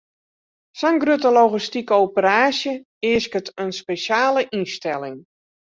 Sa'n grutte logistike operaasje easket in spesjale ynstelling.